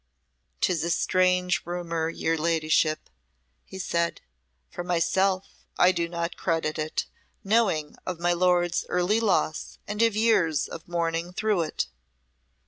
"'Tis a strange rumour, your Ladyship," he said. "For myself I do not credit it, knowing of my lord's early loss and his years of mourning through it."